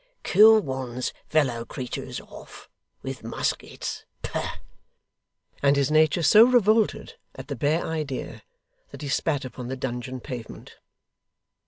Kill one's fellow creeturs off, with muskets! Pah!' and his nature so revolted at the bare idea, that he spat upon the dungeon pavement.